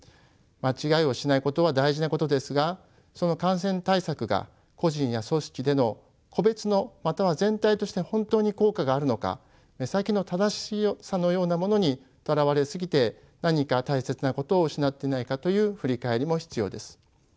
間違いをしないことは大事なことですがその感染対策が個人や組織での個別のまたは全体として本当に効果があるのか目先の正しさのようなものにとらわれ過ぎて何か大切なことを失ってないかという振り返りも必要です。